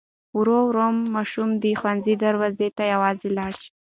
ورو ورو ماشوم د ښوونځي دروازې ته یوازې لاړ شي.